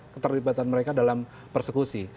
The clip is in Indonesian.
keterlibatan mereka dalam persekusi